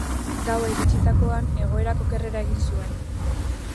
Gaua iritsitakoan, egoerak okerrera egin zuen.